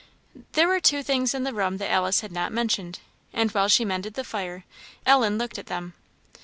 There were two things in the room that Alice had not mentioned; and while she mended the fire, Ellen looked at them.